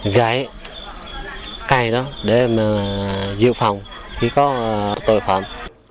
dạy cây đó để dự phòng khi có tội phạm